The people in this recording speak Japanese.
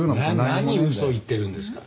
何嘘を言ってるんですか。